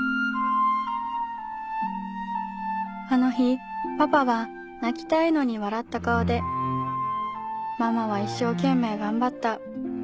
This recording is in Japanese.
「あの日パパは泣きたいのに笑った顔で『ママは一生懸命頑張った。